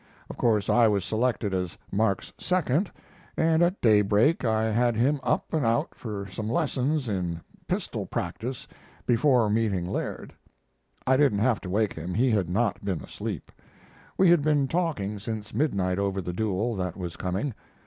Of course I was selected as Mark's second, and at daybreak I had him up and out for some lessons in pistol practice before meeting Laird. I didn't have to wake him. He had not been asleep. We had been talking since midnight over the duel that was coming.